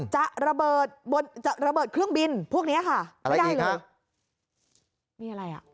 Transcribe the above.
จะระเบิดเครื่องบินพวกนี้ค่ะไม่ได้หรือ